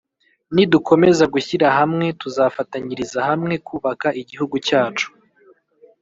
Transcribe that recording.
nidukomeza gushyira hamwe tuzafatanyiriza hamwe kubaka igihugu cyacu